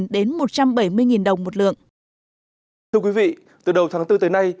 một trăm năm mươi đến một trăm bảy mươi đồng một lượng thưa quý vị từ đầu tháng bốn tới nay